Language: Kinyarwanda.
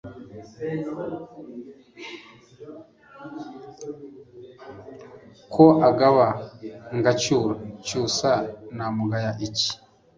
Ko agaba ngacyura, Cyusa, Namugaye iki ?